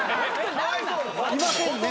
いませんね。